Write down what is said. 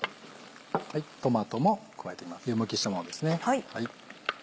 トマトも加えて湯むきしたものですね。